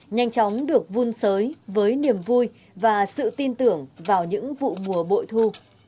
nhanh chóng được vun sới với niềm vui và sự tin tưởng vào những vụ mùa bội thu